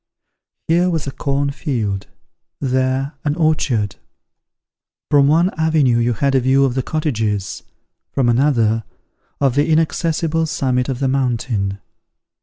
Here was a corn field; there, an orchard; from one avenue you had a view of the cottages; from another, of the inaccessible summit of the mountain.